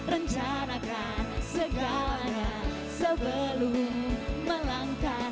rencana segala yang terakhir